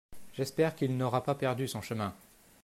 J'espère qu'il n'aura pas perdu son chemin !